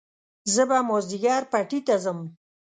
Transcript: زه به مازيګر پټي ته ځم